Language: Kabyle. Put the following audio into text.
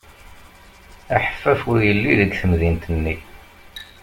Aḥeffaf ur yelli deg temdint-nni.